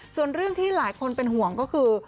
ส่วนเรื่องที่หลายคนเป็นห่วงก็คือ